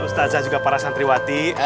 ustazah juga para santriwati